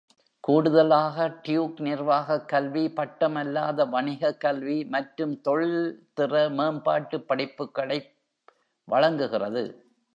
கூடுதலாக, டியூக் நிர்வாகக் கல்வி, பட்டம் அல்லாத வணிக கல்வி மற்றும் தொழில்திற மேம்பாட்டுப் படிப்புகளைப் வழங்குகிறது.